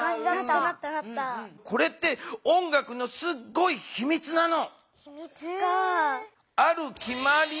これって音楽のすっごいひみつなの。